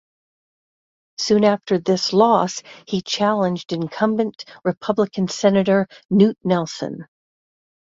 Soon after this loss he challenged incumbent Republican senator Knute Nelson.